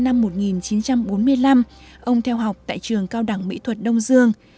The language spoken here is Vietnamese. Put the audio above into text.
năm một nghìn chín trăm bốn mươi đến năm một nghìn chín trăm bốn mươi năm ông theo học tại trường cao đẳng mỹ thuật đông dương